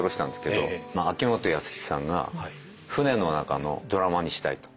秋元康さんが船の中のドラマにしたいと。